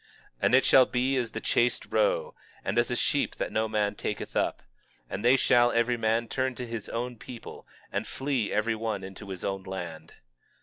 23:14 And it shall be as the chased roe, and as a sheep that no man taketh up; and they shall every man turn to his own people, and flee every one into his own land.